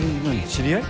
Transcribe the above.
知り合い？